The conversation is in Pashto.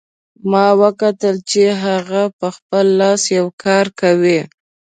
ما وکتل چې هغه په خپل لاس یو کار کوي